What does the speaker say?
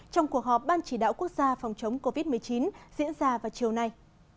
trong cuộc họp ban chỉ đạo quốc gia phòng chống covid một mươi chín diễn ra vào chiều nay